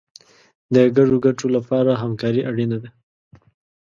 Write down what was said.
د ګډو ګټو لپاره همکاري اړینه ده.